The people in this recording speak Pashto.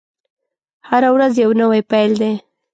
هره ورځ يو نوی پيل دی.